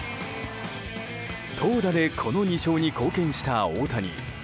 投打でこの２勝に貢献した大谷。